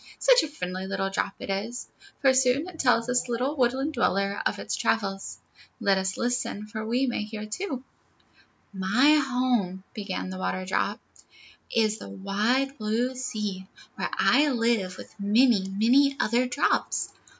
Such a friendly little drop it is, for soon it tells this little woodland dweller of all its travels. Let us listen, for we may hear too: "My home," began the Waterdrop, "is in the wide blue sea, where I live with many, many other drops.